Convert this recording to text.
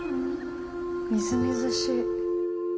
みずみずしい。